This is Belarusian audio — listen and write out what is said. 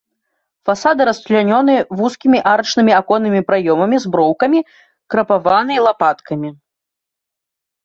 Фасады расчлянёны вузкімі арачнымі аконнымі праёмамі з броўкамі, крапаваны лапаткамі.